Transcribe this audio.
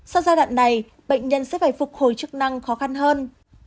sau giai đoạn này bệnh nhân sẽ phải phục hồi chức năng khó khăn hơn